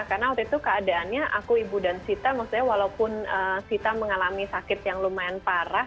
karena waktu itu keadaannya aku ibu dan sita maksudnya walaupun sita mengalami sakit yang lumayan parah